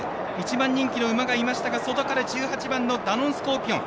１番人気の馬がいましたが外から１８番のダノンスコーピオン。